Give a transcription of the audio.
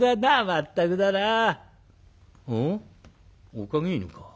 おかげ犬か。